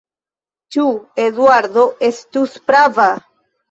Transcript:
Ĉu Eduardo estus prava?